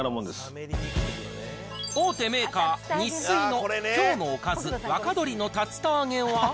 大手メーカー、ニッスイの今日のおかず若鶏の竜田揚げは。